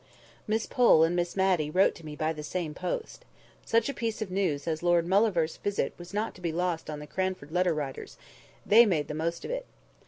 Miss Pole and Miss Matty wrote to me by the same post. Such a piece of news as Lord Mauleverer's visit was not to be lost on the Cranford letter writers: they made the most of it.